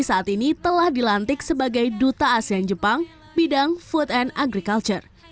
selain itu dia juga telah dilantik sebagai duta asean jepang bidang food and agriculture